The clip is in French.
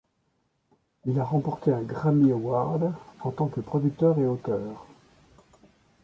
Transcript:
Il a remporté un Grammy Award en tant que producteur et auteur.